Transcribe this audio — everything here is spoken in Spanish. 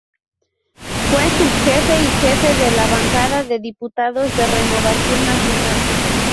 Fue subjefe y jefe de la Bancada de Diputados de Renovación Nacional.